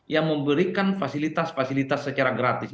yang memberikan fasilitas fasilitas secara gratis